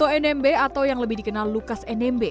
nmb atau yang lebih dikenal lukas nmb